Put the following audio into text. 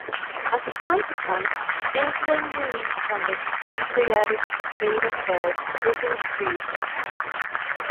As a consequence, insulin release from the pancreatic beta cells is increased.